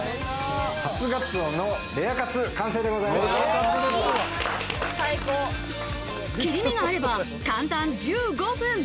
初ガツオのレアカツ完成でご切り身があれば簡単１５分。